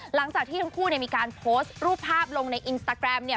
หลังจากที่ทั้งคู่เนี่ยมีการโพสต์รูปภาพลงในอินสตาแกรมเนี่ย